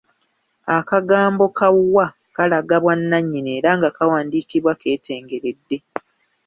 Akagambo ka "wa" kalaga bwanannyini era nga kawandiikibwa keetengeredde.